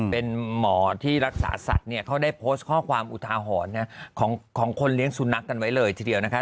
เป็นหมอที่รักษาสัตว์เนี่ยเขาได้โพสต์ข้อความอุทาหรณ์ของคนเลี้ยงสุนัขกันไว้เลยทีเดียวนะคะ